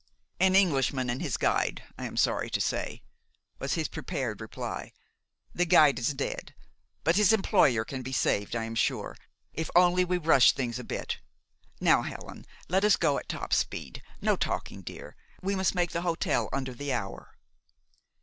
"An Englishman and his guide, I am sorry to say," was his prepared reply. "The guide is dead; but his employer can be saved, I am sure, if only we rush things a bit. Now, Helen, let us go at top speed. No talking, dear. We must make the hotel under the hour."